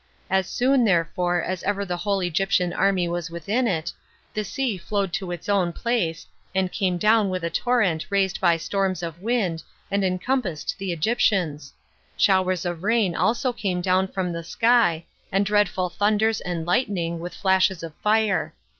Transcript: As soon, therefore, as ever the whole Egyptian army was within it, the sea flowed to its own place, and came down with a torrent raised by storms of wind, 30 and encompassed the Egyptians. Showers of rain also came down from the sky, and dreadful thunders and lightning, with flashes of fire.